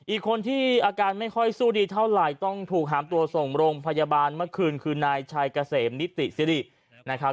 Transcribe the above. อีกคนที่อาการไม่ค่อยสู้ดีเท่าไหร่ต้องถูกหามตัวส่งโรงพยาบาลเมื่อคืนคือนายชัยเกษมนิติสิรินะครับ